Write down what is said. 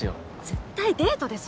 絶対デートです